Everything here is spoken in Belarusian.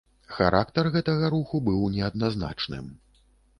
Характар гэтага руху быў неадназначным.